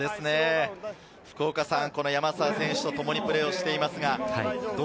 福岡さんは山沢選手とともにプレーしています。